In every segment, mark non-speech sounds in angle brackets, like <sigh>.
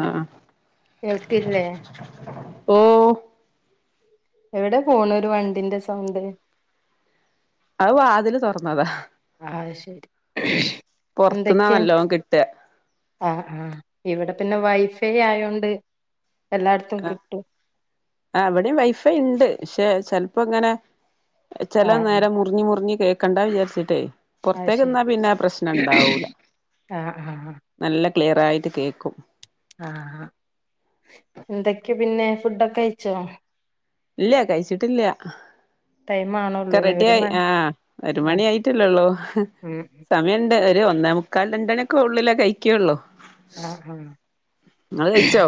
ആഹ് കേൾക്കില്ലേ ഓഹ് എവിടെ പോണു ഒരു വണ്ടിന്റെ സൗണ്ട് അത് വാതില് തൊറ്ന്നതാ ആഹ് ശെരി പൊറത്തുന്നാ എന്തൊക്കെ നല്ലോം കിട്ട ആഹ് ആഹ് ഇവിടെ പിന്നെ വൈഫൈ ആയോണ്ട് എല്ലായിടത്തും ആഹ് കിട്ടും ആഹ് ഇവടിം വൈഫൈ ഇണ്ട് പക്ഷെ ചിലപ്പങ്ങനെ ചില ആഹ് നേരം മുറിഞ്ഞ് മുറിഞ്ഞി കേക്കണ്ടാ വിചാരിച്ചിട്ടേയ് ആഹ് പോറ്ത്തേക്ക് ശരി നിന്നാ പിന്നെ ആഹ് പ്രശ്നം ണ്ടാവൂല ആഹ് ആഹ് നല്ല ക്ലിയർ ആയിട്ട് കേക്കും ആഹ് എന്തൊക്കെ പിന്നെ ഫുഡൊക്കെ കയിച്ചോ ഇല്ല കഴിച്ചിട്ടില്ല ടൈം കെ ആണോള്ളൂല്ലേ ഒരു റെഡിയായി മണി ആഹ് ഒരു മണി ആഹ് ആയിട്ടല്ലേ ഒള്ളു ഉം സമയണ്ട് ഒരു ഒന്നേ മുക്കാൽ രണ്ടണിയൊക്കെ ഉള്ളിലെ കഴികൊള്ളൂ ആ ആ കഴിച്ചോ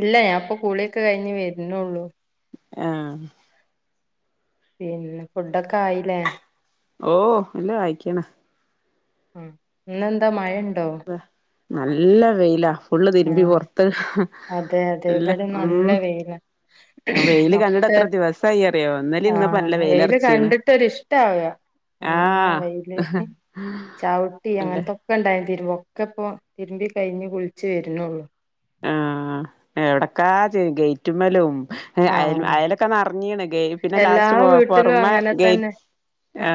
ഇല്ല ഞാൻ ഇപ്പൊ കുളിയൊക്കെ കഴിഞ്ഞ് വര്ന്നൊള്ളൂ ആ പിന്നെ ഫുഡൊക്കെ ആയിലേ ഓ എല്ലോ ആയിക്ക്‌ണ് അ ഇന്നെന്താ മഴണ്ടോ ല നല്ല വെയിലാ ഫുള്ള് തിരുമ്പി ആഹ് പൊർത്ത് അതെ അതെ നല്ലെ ഇവിടെ നല്ല മ് വെയില വെയില് കണ്ടിട്ട് ഒക്കെ എത്ര ദിവസായി അറിയോ ഇന്നലെ ഇന്ന്പ്പൊ ആഹ് നല്ല വെയിൽ വെയില് അറച്ചണ് കണ്ടിട്ടൊരിഷ്ടാവാ നല്ല വെയില് ചൗട്ടി അല്ലെ അങ്ങനത്തൊ ഒക്കെ ഇണ്ടായി തിരുമ്പ ഒക്കെ ഇപ്പൊ തിരുമ്പി കഴിഞ്ഞ് കുളിച്ച് വര്ന്നൊള്ളൂ ആഹ് എവിടക്കാ ഗേയ്റ്റുമ്മലും അയ ആഹ് അയലൊക്കെ നറഞ്ഞീണ് ഗെയ് പിന്നെ എല്ലാ ലാസ്റ്റ് വീട്ടിലും പൊറമെ അങ്ങനെ ഗെയ് തന്നെ ആ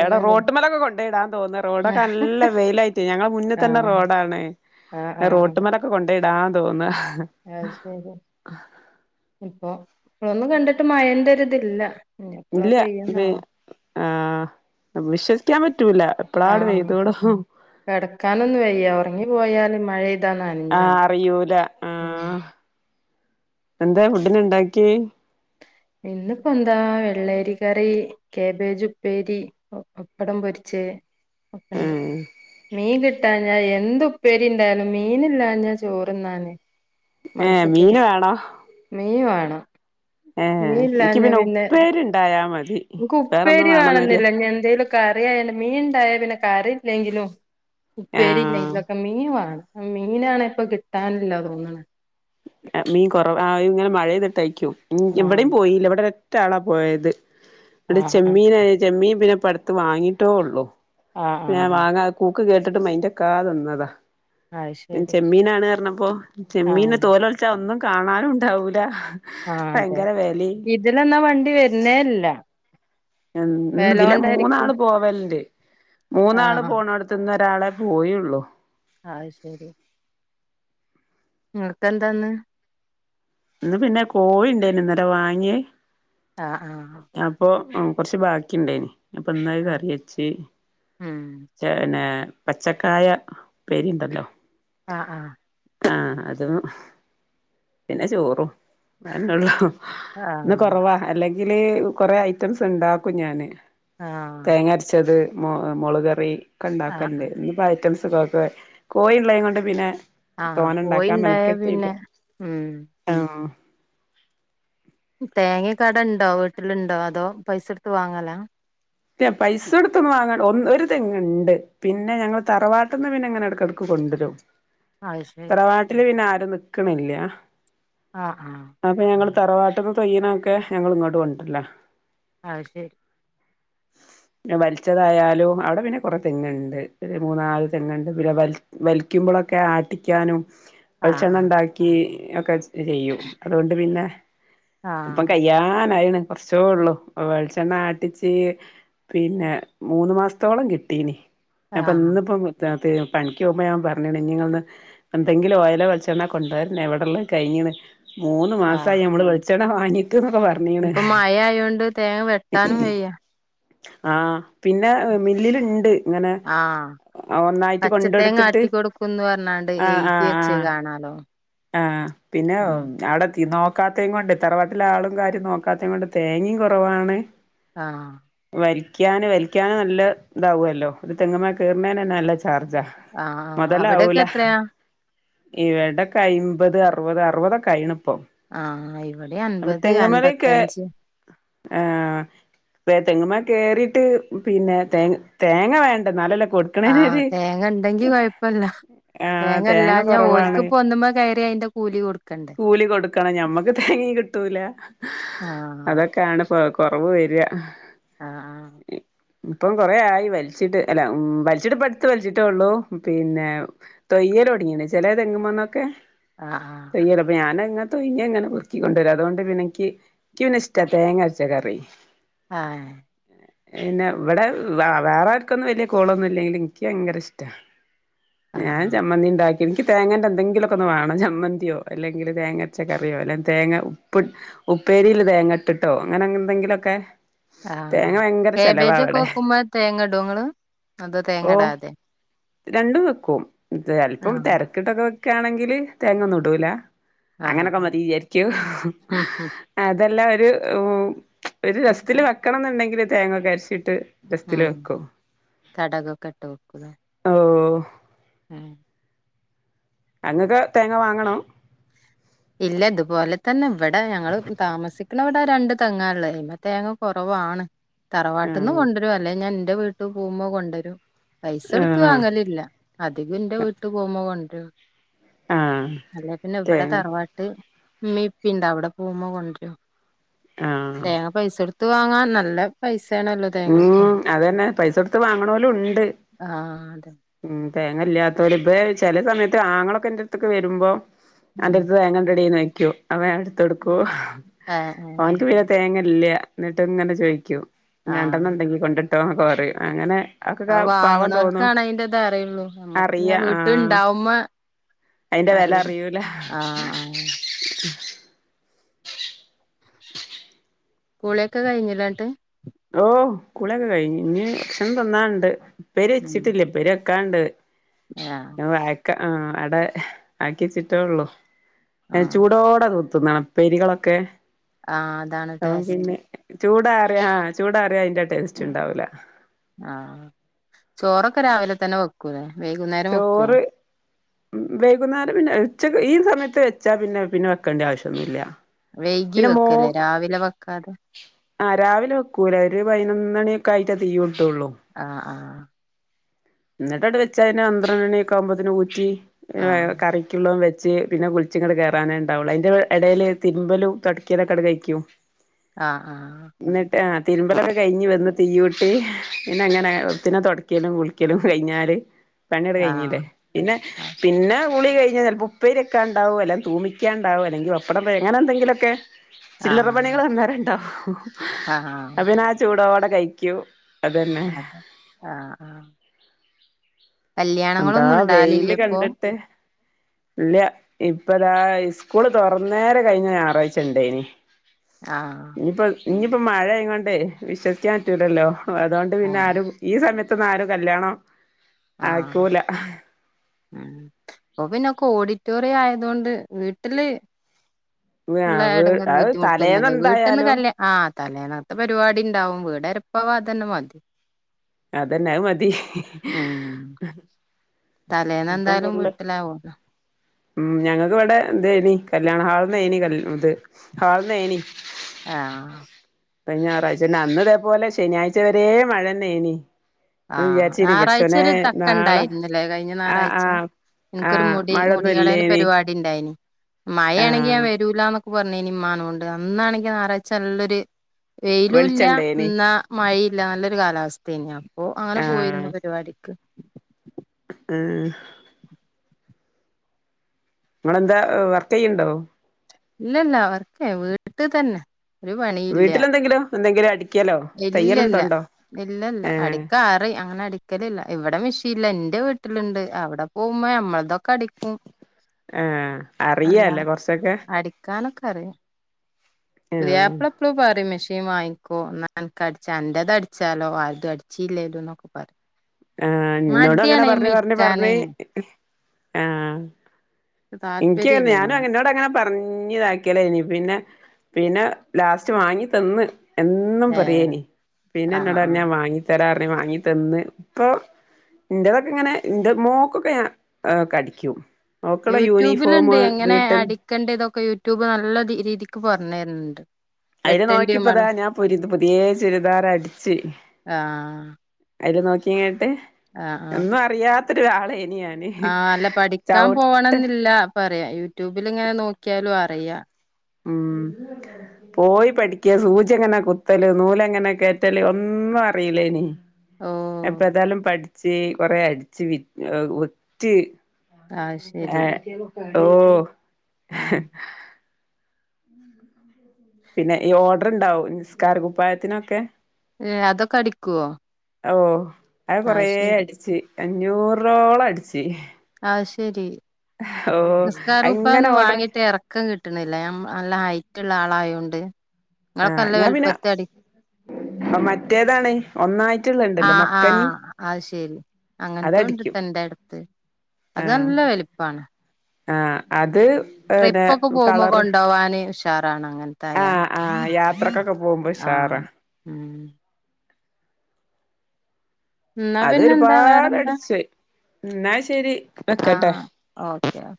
എവടെ റോട്ട്മലൊക്കെ കൊണ്ടോയിടാൻ തോന്ന റോഡൊക്കെ ആഹ് നല്ല വെയിലായിട്ടറ്റേ ഞങ്ങളെ മുന്നി തന്നെ റോഡാണ് ആ അ റോട്ട്മ്മലൊക്കെ കൊണ്ടയിടാ തോന്ന അഹ് ശരി ഇപ്പൊ ഇപ്പളൊന്നും കണ്ടിട്ട് മഴന്റെ ഒരിതില്ല ഇനി എപ്പളാ ഇല്ല ത് പെയ്യാന്നാവോ ആ വിശ്വസിക്കാൻ പറ്റൂല ആ എപ്പളാണ്ട് പെയ്തോളും കെടക്കാനൊന്നും വയ്യ ഒർങ്ങി പോയാല് മഴ ആ അറിയൂല ആ എന്താ ഫുഡിന് ഇണ്ടാക്കിയെ ഇന്നിപ്പ എന്താ വെള്ളരി കറീ കേബേജ് ഉപ്പേരി പപ്പടം പൊരിച്ചെ ഒക്കണ്ട് ഏഹ് മീൻ കിട്ടാഞ്ഞാ ഞാൻ എന്ത് ഉപ്പേരി ഇണ്ടായാലും മീനില്ലാഞ്ഞ ചോറ്ന്നാന് ഏഹ് മനസ്സക്ക്‌ ഒര് മീന് സ് വേണോ മീവാണം മീ ഏഹ് ഇൻക്ക് ഇല്ലാഞ്ഞാ പിന്നെ ഉപ്പേരി ഇണ്ടായാ മതി ഇന്ക്ക് വേറൊന്നും ഉപ്പേരി വേണംന്നില്ല വേണെന്നില്ല ന്നി എന്തേലൊക് കറിയായ മീൻ ഇണ്ടായ പിന്നെ കറിയില്ലെങ്കിലും ഉപ്പേരി ആഹ് ഇല്ലെങ്കിലും ഒക്കെ മീ വാണം മീനാണേ ഇപ്പ കിട്ടാനില്ലാ തോന്നണ് മീൻ കൊറവ ആ ഇങ്ങനെ മഴെയ്തിട്ടായിക്കും ആഹ് ഇവിടെയും പോയില്ല ഇവിടെര് റ്റാളാ പോയത് ഇടെ ആഹ് ചെമ്മീന ചെമ്മീൻ പിന്നെ പ്പടുത്ത് വാങ്ങിയിട്ടൊള്ളു ആഹ് ന്നെ ആഹ് ഞാൻ ആഹ് വാങ്ങാ കൂക്ക് കേട്ട്ട്ട് മെയിന്റെകാതന്നതാ അത് പിന്ന ശരി ചെമ്മീനാണറഞ്ഞപ്പോ ചെമ്മീൻ ആഹ് തോലൊള് ച്ച ഒന്നും കാണാനും ഉണ്ടാവൂല ആ അതെ ഭയങ്കര വെലിം ഇതിലെന്നാ വണ്ടി വര്ന്നേല്ല ഇന്ന്തിലെ വെലോണ്ടായിരിക്കും മൂന്നാള് പോവലണ്ട് മൂന്നാള് ആഹ് പോണൊട്ത്ത് തിന്ന് ഒരാളെ പോയൊള്ളൂ ആഹ് ശെരി ഇങ്ങകെന്താന്ന് ഇന്ന് പിന്നെ കോഴിണ്ടയിനു ഇന്നലെ വാങ്ങിയെ ആ ആഹ് അപ്പൊ കൊർച്ച് ബാക്കി ഇണ്ടായിനി അപ്പൊന്നത് ആഹ് കറി വച്ച് ഉം പിന്നെ പച്ചക്കായ ഇപ്പേരിണ്ടല്ലോ ആ ആഹ് ആഹ് അതും പിന്നെ ചോറും അയെനൊള്ളൂ ഇന്ന് ആഹ് കൊറവാ അല്ലെങ്കില് കൊറേ ഐറ്റംസ് ഇണ്ടാക്കും ഞാന് ആഹ് തേങ്ങര ച്ചത് മൊള് മൊളകറി ഒക്കെ ആഹ് ഇണ്ടാക്കല്ണ്ട് ഇന്ന്പ്പോ ഐറ്റംസ്കൾ ഒക്കെ കോഴിള്ളെ കൊണ്ട് പിന്നെ ആഹ് തോനെ ഉണ്ടാക്കാൻ കോഴിണ്ടായ മെനക്കെട്ടിയില്ല പിന്നെ മ് ആഹ് തേങ്ങക്കെ അടെ ഉണ്ടോ വീട്ടിലുണ്ടോ അതോ പൈസ എടുത്ത് വാങ്ങലാ പൈസ കൊടുത്തൊന്ന് വാങ്ങണ്ട ഒ ഒരു തെങ്ങ് ഉണ്ട് പിന്നെ ഞങ്ങള്ൾ തറവാട്ടന്ന് പിന്നെ എങ്ങനെ എടക്ക് എടക്ക് കൊണ്ടുവരും അത് ശരി തറവാട്ടില് പിന്നെ ആരും നിക്കണില്ല ആഹ് ആഹ് അപ്പൊ ഞങ്ങ തറവാട്ടന്ന് തയ്യനൊക്കെ ഞങ്ങ ഇങ്ങോട് കൊണ്ടിരില്ല അയ്ശരി പിന്നെ വലിച്ചതായാലും അവിടെ പിന്നെ കുറെ തെങ്ങുണ്ട് ഒരു മൂന്നാല് തെങ്ങുണ്ട് പിന്നെ വല വലിക്കുമ്പോഴൊക്കെ ആട്ടിക്കാനും ആഹ് വെളിച്ചെണ്ണ ആഹ് ഉണ്ടാക്കി ഒക്കെ ചെയ്യും അതുകൊണ്ട് പിന്നെ ഇപ്പം ആഹ് കയ്യാനായിണ് കുറച്ച ഉള്ളു വെളിച്ചെണ്ണ ആട്ടിച്ച് പിന്നെ മൂന്ന് മാസത്തോളം കിട്ടീനി അപ്പൊ ആഹ് ഇന്നിപ്പം പണിക്ക് പോകുമ്പോ ഞാൻ പറഞ്ഞുങ്ങന്ന് ഇനി നിങ്ങളൊന്ന് എന്തെങ്കിലും ഓയല വളിച്ചെണ്ണ കൊണ്ടുവരുന്ന എവിടെള്ള കഴിഞ്ഞു മൂന്ന് ആഹ് മാസമായി നമ്മള് വെളിച്ചെണ്ണ വാങ്ങിട്ട് എന്നൊക്കെ പറഞ്ഞ ഇപ്പൊ മഴ ആയൊണ്ട് തേങ്ങ വെട്ടാനും വയ്യ ആഹ് പിന്നെ മില്ലിൽണ്ട് ഇങ്ങനെ ആഹ് ഒന്നായിട്ട് കൊണ്ട് പച്ചത്തേങ്ങ കൊടുത്തിട്ട് ആട്ടി കൊടുക്കുംന്ന് പറഞ്ഞാണ്ട് ആഹ് എഴുതി ആഹ് വെച്ചത് ആഹ് കാണാലോ ആഹ് പിന്നെ ഉം അവിടെ എത്തി നോ ക്കാത്തെ കൊണ്ട് തറവാട്ടിലെ ആളും കാര്യം നോക്കാത്തെയ കൊണ്ട് തേങ്ങയും കുറവാണ് ആഹ് വലിക്കൻ വലിക്കാന് നല്ല ഇതാവല്ലോ ഒരു തെങ്ങ് മേ കേറുന്നേന് തന്നെ നല്ല ചാർജാ ആഹ്ആ ഹ്‌ അവിടെയൊക്കെ എത്രയാ ഇവിടെ ക്കെ അയ്മ്പത് അറുപത് അറുപതൊക്കെ അയിയണം ഇപ്പം ആഹ് ഇവിടെ അൻപത് അൻപത്തഞ്ച് ആഹ് വേ തെങ്ങുമേ കേറിയിട്ട് പിന്നെ തേ തേങ്ങ വേണ്ടെ എന്നാലല്ലെ കൊടു ആഹ് തേങ്ങ ഉണ്ടെങ്കി കുഴപ്പല്ല ആഹ് തേങ്ങല്ലാ തേങ്ങ ഞാ കൊറവാണ് ഓലക്ക്പ്പ ഒന്ന്പ കയറി അതിന്റെ കൂലി കൊടുക്കണ്ടെ കൂലി കൊടുക്കണം ഞമ്മക്ക് തേങ്ങ കിട്ടൂല ആഹ് അതൊക്കെയാണ് ഇപ്പ കൊറവ് വരിക ആഹ് ഇപ്പം കൊറ ആയി വലിച്ചിട്ട് അല്ല ഉ വലിച്ചിട്ടപ്പ അടുത്ത് വലിച്ചിട്ടേ ഉള്ളൂ പിന്നെ തൊെയ്യൽ തൊടങ്ങിയേ ചില തെങ്ങുമോന്നൊക്കെ ആഹ് ആഹ് തയ്യല അപ്പ ഞാനങ്ങന തൊയിഞ് അങ്ങനെ പെറുക്കി കൊണ്ടുവരാം അതുകൊണ്ട് പിന്നനിക്ക് എനിക്ക് പിന്നെ ഇഷ്ട ആഹ് തേങ്ങ അരച്ച കറി ആഹ് പിന്നെ ഇവിടെ വേറെ ആർക്കൊന്നും വലിയ കോളൊന്നും ഇല്ലെങ്കിൽ എനിക്ക് ഭയങ്കര ഇഷ്ട ഉ ഞാൻ ചമ്മന്തിണ്ടാക്കിണ് ഇൻക്ക് തേങ്ങന്റെ എന്തെങ്കിലും ഒക്കൊന്ന് വേണം ചമ്മന്തിയോ അല്ലെങ്കിൽ തേങ്ങരച്ച കറിയോ അല്ലെങ്കിൽ തേങ്ങ ഉപ്പ് ഉപ്പേരിയിൽ തേങ്ങട്ടിട്ടോ അങ്ങനെങ്ങ എന്തെങ്കിലൊക്കെ ആഹ്. കേബേജൊക്കെ വെക്കുമ്പേ തേങ്ങടോ ഇങ്ങള്? അതോ തേങ്ങ ഓഹ് ഇടാതെ? രണ്ടും വെക്കും. ഇത് ചെല്പ്പം ആഹ് തെരക്ക്ട്ടൊക്കെ വെക്കാണെങ്കില് തേങ്ങെന്നും ഇടൂല. ആഹ് അങ്ങനൊക്കെ ആഹ് മതി വിചാരിക്യു. ഉം ഉം അതെല്ലാ ഒരു ഒരു രസത്തില് വെക്കണം ന്ന്ണ്ടെങ്കില് തേങ്ങ ഒക്കെ അരച്ചിട്ട്. രസത്തില് ഉം വെക്കു. കടകൊക്കെ ഇട്ട് വെക്കുലേ ഓഹ് ഉം. അത് ങ്ങക്ക് തേങ്ങ വാങ്ങണം? ഇല്ല ഇതുപോലെ തന്നെ ഇവടെ ഞങ്ങൾ താമസിക്ണ വെ ട രണ്ട് തെങ്ങാ ള്ളെ. അയിമ്മെ തേങ്ങ കൊറവാണ്. തറവാട്ട്ന്ന് ആഹ് കൊണ്ടരും അല്ലേ ഞാൻ ഇൻ്റെ വീ ട്ട് പോകുമ്പോ കൊണ്ടരും പൈസ കൊടുത്ത് ആഹ് വാങ്ങലില്ല. അധികും ഇന്റെ വീട്ട് പോവുമ്പ കൊണ്ട്രും. ആഹ് അല്ലാതെ പിന്നെ ഇവടെ തേങ്ങ തറവാ ട്ട് ഇമ്മി ഇപ്പീണ്ട് അവ്ടെ പോവുമ്പം കൊണ്ട്രും ആഹ് തേങ്ങ പൈസൊട് ത്ത് വാങ്ങാൻ നല്ല പൈസേണ്. ഉം അതെന്നെ പൈസൊട്ത്ത് വാങ്ങണോലും ഉണ്ട്. ആഹ് അതെ ഉം തേങ്ങല്ല്യാത്തോല്. ഇബ്ബെ ചെല സമയത്ത് ആങ്ങളൊക്കെ ഇന്റെട്ത്ത്ക്ക് വരുമ്പം ഉം അന്റെട്ത്ത് തേങ്ങണ്ടെടീ ന്ന് ചോയ്ക്ക്യും. അപ്പ ഞാൻ ഇട്ത്തൊട്ക്കും. ഏഹ് ഏഹ് ഓൻക്ക് പിന്നെ തേങ്ങല്ല്യ. ഇന്നട്ട് ങ്ങനെ ചോയിക്ക്യും. രണ്ടെണ്ണം ആഹ് ഇണ്ടെങ്കി കൊണ്ടട്ടോ ന്നൊക്കെ പറയും. അങ്ങനെ അതൊക്കെ അത് പാവം തോന്നും വാങ്ങ്ണോൽക്കാണ് അയ്ന്റെ ഇതറിയൊള്ളു നമ്മക്ക്ങ്ങ അറിയ വീട്ട് ആഹ് ഇണ്ടാവുമ്പെ അയിന്റെ വെല അറിയൂല. <inaudible> ആഹ് ആഹ് കുളിയൊക്കെ കഴിഞ്ഞിലെ ങ്ട്ട്? ഓഹ് കുളിയൊക്കെ കഴിഞ്ഞ്. ഇഞ്ഞ് ഭക്ഷണം തിന്നാണ്ട് ഉപ്പേരി ഉം വച്ചിട്ടില്ല ഉപ്പേരി വെക്കാണ്ട്. ആഹ് ന്നെ വാഴക്ക ആഹ് ആടെ ആക്ക്യേച്ചിട്ടേ ഒള്ളൂ. അയ്ന് ആഹ് ചൂടോടെ ത് തിന്നണം ഉപ്പേരികളൊക്കെ ആഹ് അതാണ് അപ്പം ടേസ്റ്റ് പിന്നെ. ചൂടാറ്യാ ആഹ് ചൂടാറിയാ അയിന്റെ ടേസ്റ്റ്ണ്ടാവൂലാ. ആഹ് ചോറൊക്കെ രാവിലെ തന്നെ വെക്കുലെ, വൈകുന്നേരം വെക്കോ? ഉം ഉം. വൈകുന്നേരം പിന്നെ ഉച്ചക്ക് ഈ സമയത്ത് വെച്ചാ പിന്നെ പിന്നെ വെക്കണ്ട്യ ആവശ്യൊന്നുല്ല്യ. വൈകി വെക്കലെ രാവിലെ വെക്കാതെ. ആഹ് രാവിലെ വെക്കൂല ഒരു പയിനൊന്ന് മണിയൊക്കെ ആയിറ്റാ തീയൂട്ടൊള്ളൂ. ആഹ് ആഹ്. ഇന്നെട്ടാണ്ട് വെച്ചാ പിന്നെ പന്ത്രണ്ടണി ഒക്കാവുമ്പോത്തിനും ഊറ്റി <unintelligible> ആഹ് കറി ക്ക്യുള്ളതും വെച്ച് പിന്നെ കുളിച്ചിങ്ങട് കേറാനേ ഇണ്ടാവൊള്ളൂ. അയ്ന്റെ എടേല് തിര്മ്പലും തൊടക്ക്യലൊക്കാണ്ട് കയ്ക്ക്യും. ആഹ് ആഹ്. ഇന്നട്ട് ആഹ് തിരുമ്പലൊക്കെ കയിഞ്ഞ് വന്ന് തീയ്യൂട്ടി പിന്നെ അങ്ങനെ പിന്നെ തൊട്ക്ക്യലും കുളി ക്ക്യലും കയിഞ്ഞാല് പണ്യാട് ആഹ് കഴിഞ്ഞില്ലേ. പിന്നെ പിന്നെ കുളി കഴിഞ്ഞാ ചെലപ്പോ, ഉപ്പേര്യെക്കാണ്ടാവും അല്ലെ തൂമിക്ക്യാണ്ടാവും അല്ലെങ്കി പപ്പടം പെഴെ, അങ്ങനെ എന്തെങ്കിലൊക്കെ ചില്ലറ ആഹ് പണികൾ അന്നേരണ്ടാവും അത് ആഹ് പിന്നെ ആ ചൂടോടെ കയിക്ക്യും. അതെ ആഹ് ആഹ്. എന്താ കല്യാണങ്ങളൊന്നും വെയില് ഉണ്ടാവലില്ലേ ഇപ്പൊ കണ്ടിട്ട്, ഇല്യ. ഇപ്പതാ സ്കൂള് തൊറന്നേരെ കഴിഞ്ഞ ഞായറാഴ്ച ഇണ്ടേയ്നി. ആഹ് ഇഞ്ഞിപ്പോ ഇഞ്ഞിപ്പോം മഴെയിങ്ങാണ്ടേ വിശ്വസിക്കാൻ പറ്റൂല്ലല്ലോ അതുകൊണ്ട് പിന്നെ ആഹ് ആരും ഈ സമയ ത്തൊന്നാരും കല്യാണം ആഹ് ആക്കൂല ഉം ഇപ്പ പിന്നൊക്കെ ഓഡിറ്റോറിയം ആയതോണ്ട് വീട്ടില് ഇള്ളയെടങ്ങാറും അത് തലേന്ന് ബുദ്ധിമുട്ടൊന്നുല്ല വീട്ട്ന്ന് എന്തായാലും കല്യാ ആഹ് തലേന്നേത്തെ പരിപാടി ഇണ്ടാവും വീടെരപ്പാവാതെന്നെ മതി അതെന്നെ അത് മതി ഉം ഇപ്പം തലേന്നെന്തായാലും ഫുള്ള് വീട്ടിലാവുല്ലോ ഉം ഞങ്ങൾക്ക് ഇവിടെ ഇതേനി കല്യാണ ഹാളിന്നേനി ക ഇത് ഹാളിന്നേനി ആഹ് കഴിഞ്ഞ ഞായറാഴ്ച അന്ന്തേപോലെ ശനിയാഴ്ച വരെ മഴന്നേനി ഞാൻ ആഹ് വിചാരിച്ചീനി ഞായറാഴ്ച പടച്ചോനെ ഒരു നാളെ തക്കണ്ടായിരുന്നിലെ കഴിഞ്ഞ ആഹ് ഞായറാഴ്ച ആഹ് എനക്കൊരു ആഹ് മുടി മഴൊന്നും മുടികളയൽ ഇല്ലേനി പരിപാടി ഉണ്ടായിന് മഴയാണെങ്കിൽ ഞാൻ ആഹ് വരൂലന്നൊ പറഞ്ഞിനി ഇമ്മാനോട് അന്നാണെങ്കിൽ ഞായറാഴ്ച്ച നല്ലൊരു വെയിലും ഇല്ല വെളിച്ചണ്ടേനി എന്നാ മഴേയില്ല നല്ലൊരു കാലാവസ്ഥേനു അപ്പൊ അങ്ങനെ പോയിരുന്നു ആഹ് പരിപാടിക്ക് ഉം. ങ്ങളെന്താ വർക്കയ്യ്ണ്ടോ? ഇല്ലില്ല വർക്കെ വീട്ട് തന്നെ. ഒരു പണിയില്ല വീട്ടിലെന്തെങ്കിലും എന്തെങ്കിലും അടിക്കലോ തയ്യൽ എന്തോണ്ടോ? ഇല്ല ഇല്ല അടിക്കാ അറി അങ്ങനെ അടി ടിക്കലില്ല ഇവിടെ മീഷീല്ല. ന്റെ വീട്ടിൽണ്ട്. അവിടെ പോകുമ്പോ ഞമ്മൾതൊക്കെ അടിക്കും. ആഹ്, അല്ലാ അറിയാല്ലേ കുറച്ച് അടിക്കാനൊക്കെ അറിയാ. ആഹ് പുതിയാപ്പള എപ്പളും പറയും. മെഷീൻ വാങ്ങിക്കോ എന്നാ അൻക്ക് അടിച്ച. അന്റെത് അടിച്ചാലോ ആർതും അടിച്ചില്ലേലും ന്നൊക്കെ പറയും. ആഹ് ന്നോടും അങ്ങനെ മടിയാണ് അയിമ്മെ പർഞ്ഞ് പർഞ്ഞ് ഇരിക്കാനേ പറർഞ്ഞി ഇക്ക് ഇൻക്കും താല്പര്യല്ല ങ്ങനെ ഞാനും അയിനോട് ങ്ങനെ ന്നോട് അങ്ങനെ പറഞ്ഞ്താക്കിയലയ്നി പിന്നെ പിന്നെ ലാസ്റ്റ് വാങ്ങി തന്ന്. എന്നും ഏഹ് പറയേനി പിന്നെ ആഹ് ന്നോടർഞ്ഞ് ആഹ് ഞാൻ വാങ്ങിത്തരാർഞ് വാങ്ങി തന്ന് ഇപ്പൊ ഇൻറതൊക്കെ ഇങ്ങനെ, ഇൻ്റെ മോക്കൊക്കെ ഞാ അടിക്കും. ഓക്കുള്ള യൂട്യൂബിലുണ്ട്. യൂണിഫോമ് എങ്ങനെ വീട്ട് അടിക്കണ്ടതൊക്കെ യൂട്യൂബ് നല്ല രീ രീതിക്ക് പറഞ്ഞു തരണ്ട്. അയിൽ നോക്കിപ്പതാ. ഞാൻ പുരി പുതിയെ ചുരിദാറ് അടിച്ച് ആഹ് അയില് നോക്കിങ്ങാട്ട്. ആഹ് ആഹ് ഒന്നും അറിയാത്തൊരു ആള് എയ്നി ഞാൻ ആഹ്, അല്ല പഠിക്കാൻ പോവണം ന്നില്ല പറയാ. യൂട്യൂബിൽ ഇങ്ങനെ നോക്കിയാലും അറിയ. ഉം.. പോയി പഠിക്ക സൂചി എങ്ങനെ കുത്തല്. നൂൽ എങ്ങനെ കേറ്റല് ഒന്നും അറിയിലേയ്നി. ഓഹ് ഇപ്പൊ ഏതായാലും പഠിച്ച്. കൊറെ അടിച്ച് വി വിറ്റ് അത് ശരി ആഹ് ഓഹ് ആഹ് പിന്നെ, ഈ ഓർഡർ ഇണ്ടാവും. നിസ്കാര കുപ്പായത്തിനൊക്കെ. ഏഹ്. അതൊക്കെ അടിക്കുവോ? ഓ അത് കൊറേ അടിച്ച് അഞ്ഞൂറോളം അടിച്ച് അത് ശരി ഓഹ് നിസ്കാര അങ്ങനെ കുപ്പായൊന്നും ഓർഡർ വാങ്ങിയിട്ട് ഇറക്കം കിട്ടണില്ല. നല്ല ഹൈറ്റ് ഉള്ള ആളായോണ്ട്. ങ്ങൾ ഒക്കെ നല്ല വലിപ്പത്തിൽ അടി അ മറ്റേതാണ് ഒന്നായിട്ടുള്ളത് ഇണ്ടല്ലോ മക്കനിം അത് ശരി അങ്ങൻത്തോ അതടിക്കും ഇണ്ട്ട്ടോ ഇന്റെ അടുത്ത് അത് ആഹ് നല്ല വലിപ്പാണ് ആഹ് അത് പിന്നെ ട്രിപ്പൊക്കെ പോമ്പോ കളറ് കൊണ്ടോവാന് ഉഷാറാണ് അങ്ങനെ. ആഹ് ആഹ് യാത്രക്കൊക്കെ പോകുമ്പോ ആഹ് ഉഷാറാ മ്ഹ് എന്നാ അത് പിന്നെന്താ ഒരുപാട് വേറെന്താ അടിച്ച് ന്നാ ശരി വെക്കട്ടെ. ആഹ് ഓക്കെ ഓ